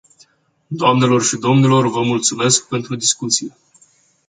Doamnelor și domnilor, vă mulțumesc pentru discuție.